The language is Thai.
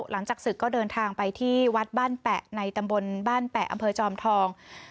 หลังจากศึกก็เดินทางไปที่วัดบ้านแปะในตำบลบ้านแปะอำเภอจอมทอง